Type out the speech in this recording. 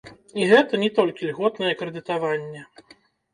І гэта не толькі льготнае крэдытаванне.